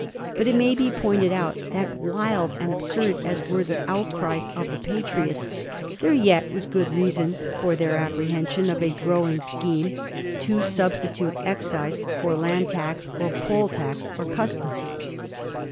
But it may be pointed out that wild and absurd as were the outcries of the Patriots, there yet was good reason for their appre hension of a growing scheme to substitute excise for land tax, or poll tax, or customs.